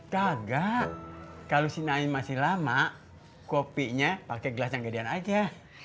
kagak kalau si nain masih lama kopinya pakai gelas yang gedean aja